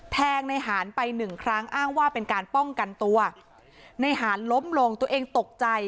แทงในหารไปหนึ่งครั้งอ้างว่าเป็นการป้องกันตัวในหารล้มลงตัวเองตกใจ